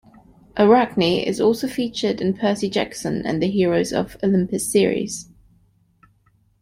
Arachne is also featured in the Percy Jackson and Heroes of Olympus series.